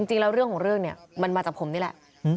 จริงแล้วเรื่องของเรื่องเนี่ยมันมาจากผมนี่แหละ